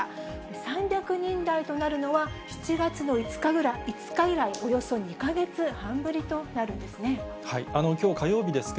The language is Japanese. ３００人台となるのは、７月の５日以来、およそ２か月半ぶりとなるんですね。